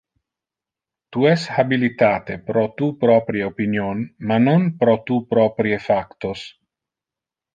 Tu es habilitate pro tu proprie opinion, ma non pro tu proprie factos.